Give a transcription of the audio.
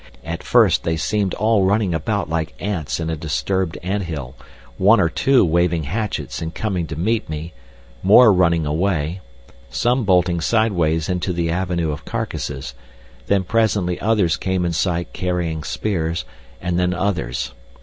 At first they seemed all running about like ants in a disturbed ant hill, one or two waving hatchets and coming to meet me, more running away, some bolting sideways into the avenue of carcasses, then presently others came in sight carrying spears, and then others.